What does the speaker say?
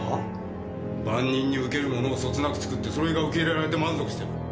万人に受けるものをそつなく作ってそれが受け入れられて満足している。